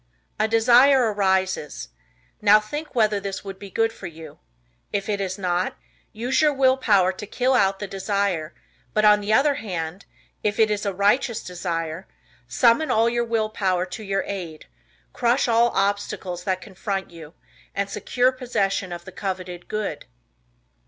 A desire arises. Now think whether this would be good for you. If it is not, use your Will Power to kill out the desire, but, on the other hand, if it is a righteous desire, summon all your Will Power to your aid, crush all obstacles that confront you and secure possession of the coveted Good.